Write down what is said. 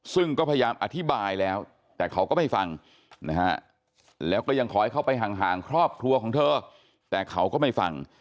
ซึ่งก็พยายามอธิบายแล้วแต่เขาก็ไม่ฟังนะฮะแล้วก็ยังขอให้เขาไปห่างครอบครัวของเธอแต่เขาก็ไม่ฟัง